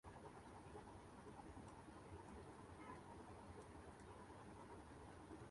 अशा ‘सक्षम बेकारां ची संख्या वाढल्याने एकंदर समाजाचे नितीधैर्य खचतं.